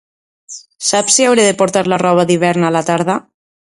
Saps si hauré de portar la roba d'hivern a la tarda?